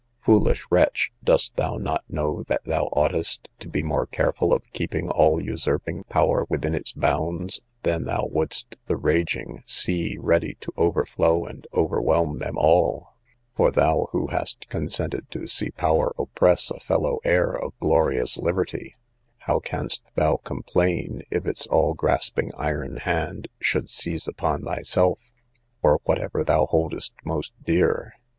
Foolish wretch! dost thou not know that thou oughtest to be more careful of keeping all usurping power within its bounds, than thou wouldst the raging sea ready to overflow and overwhelm them all; for thou who hast consented to see power oppress a fellow heir of glorious liberty, how canst thou complain, if its all grasping iron hand should seize upon thyself, or whatever thou holdest most dear?